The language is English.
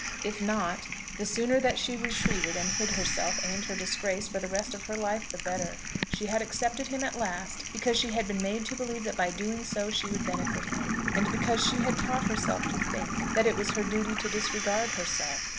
If not, the sooner that she retreated and hid herself and her disgrace for the rest of her life the better. She had accepted him at last, because she had been made to believe that by doing so she would benefit him, and because she had taught herself to think that it was her duty to disregard herself.